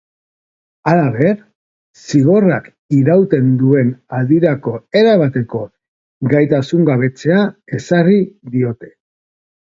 Halaber, zigorrak irauten duen aldirako erabateko gaitasungabetzea ezarri diote.